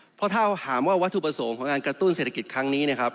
เพราะถ้าถามว่าวัตถุประสงค์ของการกระตุ้นเศรษฐกิจครั้งนี้นะครับ